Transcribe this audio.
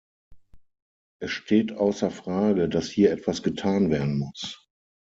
Es steht außer Frage, dass hier etwas getan werden muss.